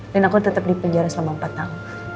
dan aku tetap di penjara selama empat tahun